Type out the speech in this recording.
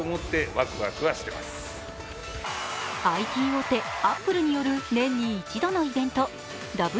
ＩＴ大手アップルによる、年に一度のイベント。